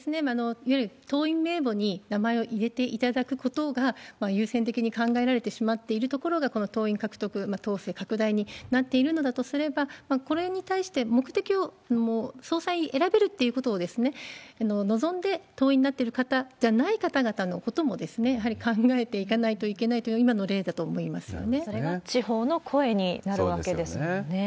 いわゆる党員名簿に名前を入れていただくことが優先的に考えられてしまってるところが、この党員獲得、党勢拡大になっているのだとすれば、これに対して、目的を、総裁選べるっていうことを望んで党員になってる方じゃない方々のこともやはり考えていかないといけないという、今の例だと思いまそれが地方の声になるわけでそうですよね。